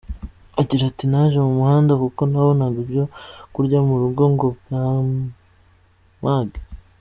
Agira ati “Naje mu muhanda kuko ntabonaga ibyo kurya mu rugo ngo mpage.